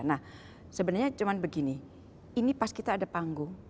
nah sebenarnya cuma begini ini pas kita ada panggung